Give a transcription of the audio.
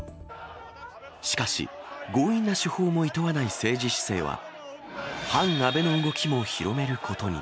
しかし、強引な手法もいとわない政治姿勢は、反安倍の動きも広めることに。